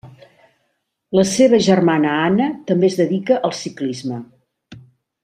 La seva germana Anna també es dedica al ciclisme.